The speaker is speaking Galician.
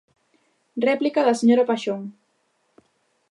Réplica da señora Paxón.